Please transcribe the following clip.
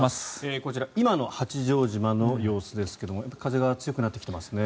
こちら今の八丈島の様子ですが風が強くなってきてますね。